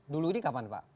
dulu ini kapan pak